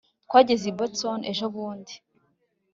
twageze i boston ejobundi